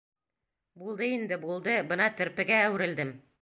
— Булды инде, булды, бына терпегә әүерелдем.